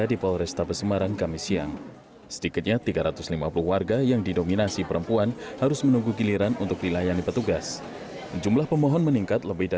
di poresta besemarang jawa tengah membludak